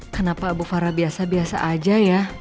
kenapa ibu fara biasa biasa aja ya